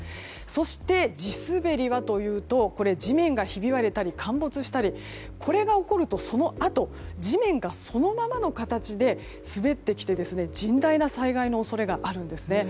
そして地滑りはというと地面がひび割れたり陥没したり、これが起こるとそのあと、地面がそのままの形で滑ってきて、甚大な災害の恐れがあるんですね。